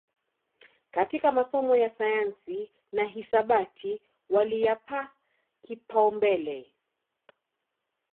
katika masomo ya sayansi na hisabati waliyapa kipaumbele